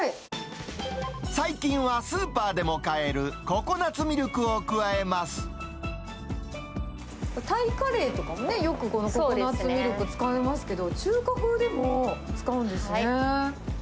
最近はスーパーでも買えるコタイカレーとかもね、よくこのココナツミルク使いますけど、中華風でも、使うんですね。